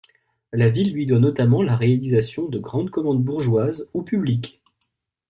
La ville lui doit notamment la réalisation de grandes commandes bourgeoises ou publiques.